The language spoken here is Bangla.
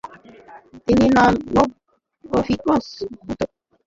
তিনি নাহভ ও ফিকহ'র 'মতন' মুখস্থ করতে মশগুল হন ।